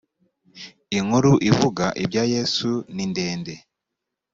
inkuru ivuga ibya yesu nindende.